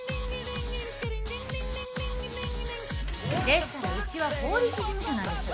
ですからうちは法律事務所なんです。